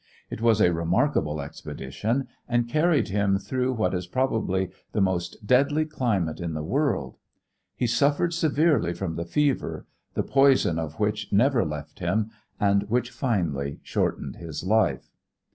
It was a remarkable expedition and carried him through what is probably the most deadly climate in the world. He suffered severely from the fever, the poison of which never left him and which finally shortened his life.